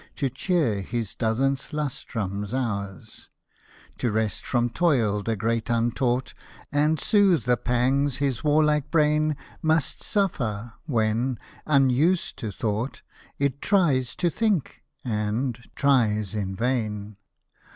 To cheer his dozenth lustrum's hours ; To rest from toil the Great Untaught, And soothe the pangs his warlike brain Must suffer, when, unused to thought. It tries to think, and — tries in vain.